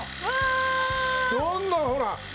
どんどんほら。